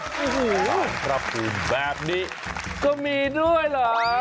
โอ้โหพระภูมิแบบนี้ก็มีด้วยเหรอ